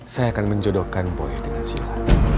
saya akan menjodohkan boy dengan silo